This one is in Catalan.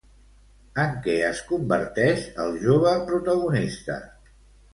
En què es converteix el jove protagonista?